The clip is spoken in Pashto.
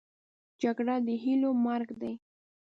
جګړه د هیلو مرګ دی